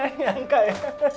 aduh nyayangka ya